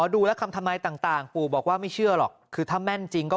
ดูแล้วคำทำไมต่างปู่บอกว่าไม่เชื่อหรอกคือถ้าแม่นจริงก็